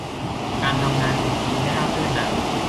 การทำงานเป็นทีมไม่ราบรื่นนัก